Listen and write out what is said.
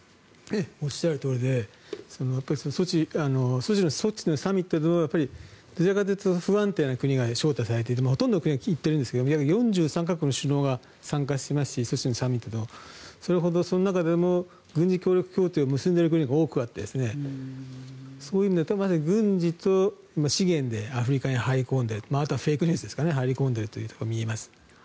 おっしゃるとおりでソチのサミットでもどちらかというと不安定な国が招待されていてほとんどの国が行っているんですが４３か国の首脳が参加してますしその中でも軍事協力協定を結んでいる国が多くあってそういう意味で軍事と資源でアフリカに入り込んであとはフェイクニュースで入り込んでというのが見えます。